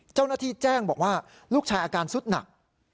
เจ้าหน้าที่แจ้งบอกว่าลูกชายอาการสุดหนัก